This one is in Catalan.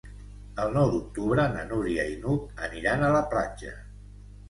El nou d'octubre na Núria i n'Hug aniran a la platja.